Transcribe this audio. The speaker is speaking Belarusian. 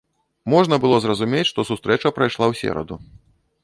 Можна было зразумець, што сустрэча прайшла ў сераду.